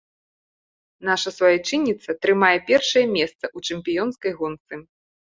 Наша суайчынніца трымае першае месца ў чэмпіёнскай гонцы.